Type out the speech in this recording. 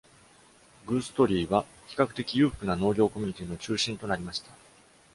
グーストリーは比較的裕福な農業コミュニティの中心となりました。